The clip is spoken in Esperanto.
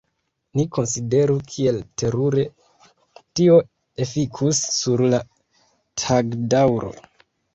Ni konsideru kiel terure tio efikus sur la tagdaŭro.